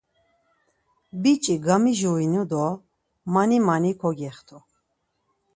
Biç̌i gamijurinu do mani mani kogextu.